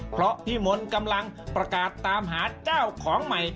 เพราะพี่มนต์กำลังประกาศตามหาเจ้าของใหม่